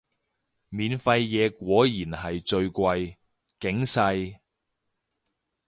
免費嘢果然係最貴，警世